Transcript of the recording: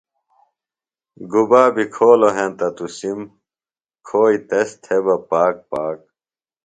گُبا بیۡ کھولوۡ ہینتہ تُسم، کھوئیۡ تس تھےۡ بہ پاک پاک